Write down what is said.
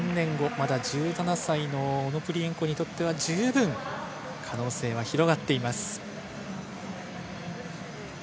まだ１７歳のオノプリエンコにとっては十分可能性が広がっています。